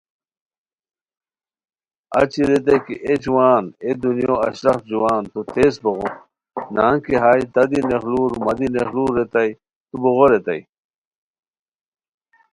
اچی ریتائے کی اے جوان اے دنیو اشرف جوان تو تیز بوغے! نہنگ کی ہائے تہ دی نیغلور مہ دی نیغلور، ریتائے تو بوغے ریتائے